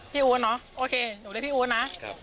พี่อู๊นโอเคหนูเรียกพี่อู๊นนะ